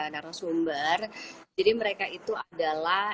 dari sumber jadi mereka itu adalah